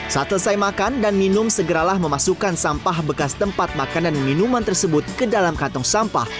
saat selesai makan dan minum segeralah memasukkan sampah bekas tempat makanan dan minuman tersebut ke dalam kantong sampah